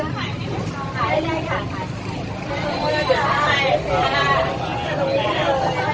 ไม่ได้กลัวเธอได้แหละ